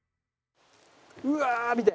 うわあ見て！